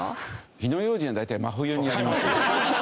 火の用心は大体真冬にやりますよ。